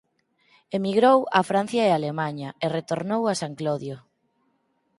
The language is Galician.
Emigrou a Francia e Alemaña e retornou a San Clodio.